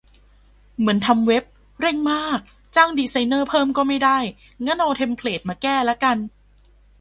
เหมือนทำเว็บ เร่งมาก จ้างดีไซเนอร์เพิ่มก็ไม่ได้ งั้นเอาเทมเพลตมาแก้ละกัน